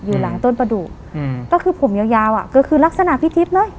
อยู่หลังต้นประดูกอืมก็คือผมยาวยาวอ่ะก็คือลักษณะพี่ทิพย์เลย